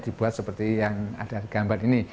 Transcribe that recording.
dibuat seperti yang ada di gambar ini